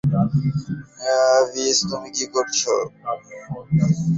ডিজ, তুমি কি করছো?